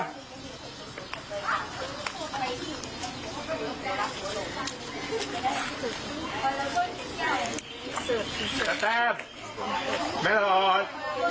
สำคัญจริงสเตมแม่หลอด